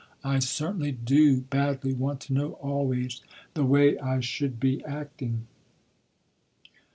I certainly do badly want to know always, the way I should be acting."